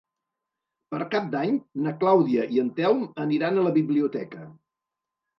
Per Cap d'Any na Clàudia i en Telm aniran a la biblioteca.